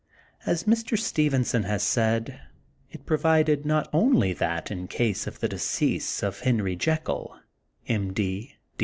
As Mr. Stevenson has said, it provided not only that in case of the decease of Henry Jekyll, M.